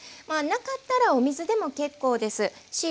なかったらお水でも結構ですし。